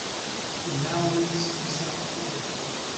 He now lives in South Florida.